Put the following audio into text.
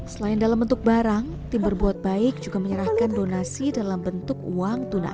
selain dalam bentuk barang tim berbuat baik juga menyerahkan donasi dalam bentuk uang tunai